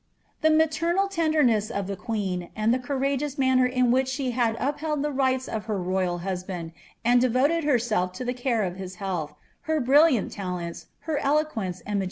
* The maternal tenderness of the queen, and the courageous manner in hich she had upheld the rights of her royal husband, and devoted her If to the care of his health, her brilliant talents, her eloquence, and ' PSrton Paper*.